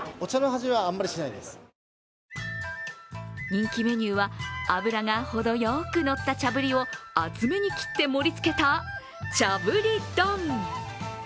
人気メニューは脂がほどよくのった茶ぶりを厚めに切って盛りつけた茶ぶり丼。